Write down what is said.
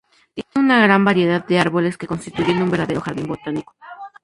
Tiene una gran variedad de árboles que constituyen un verdadero jardín botánico.